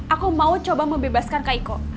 aku mau coba membebaskan kak iko